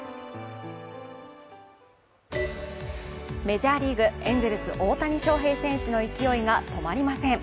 メジャーリーグ、エンゼルス・大谷翔平選手の勢いが止まりません。